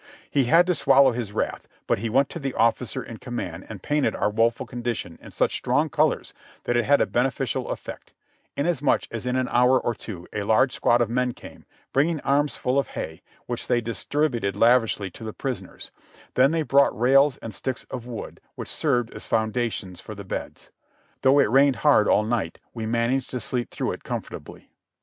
He had to swallow his wrath, but he w^ent to the officer in command and painted our woeful condition in such strong colors that it had a beneficial effect, inasmuch as in an hour or two a large squad of men came, bringing arms full of hay, which they dis tributed lavishly to the prisoners; then they brought rails and slicks of wood, which served as foundations for the beds. Though it rained hard all night, we managed to sleep through it comfort ably.